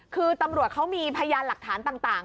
คือตำรวจเขามีพยานหลักฐานต่าง